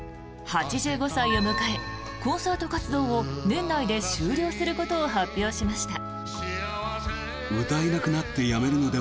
８５歳を迎え、コンサート活動を年内で終了することを発表しました。